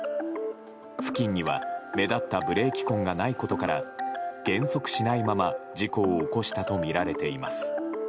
付近には目立ったブレーキ痕がないことから減速しないまま事故を起こしたとみられています。